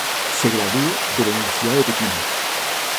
Se graduó de la Universidad de Pekín.